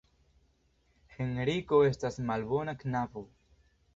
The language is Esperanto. Henriko estas malbona knabo.